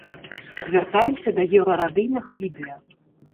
Звяртаемся да еўрарадыйнага відэа.